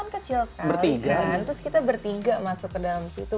kan kecil sekali kan terus kita bertiga masuk ke dalam situ